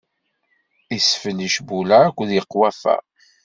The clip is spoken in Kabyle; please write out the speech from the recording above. Isfel icbula akked iqweffa.